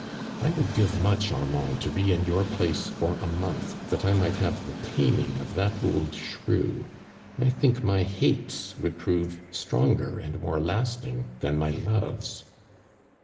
••'I would give mucli, Armand, to lie in your place for a month, tluit I might have tho taming of that old shrew. I think my hates would prove ?*trongorand more lasting than my loves.'"